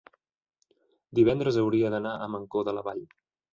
Divendres hauria d'anar a Mancor de la Vall.